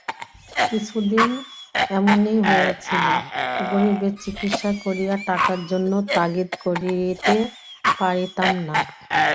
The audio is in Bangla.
কিছুদিন এমনি হইয়াছিল, গরিবের চিকিৎসা করিয়া টাকার জন্য তাগিদ করিতে পারিতাম না।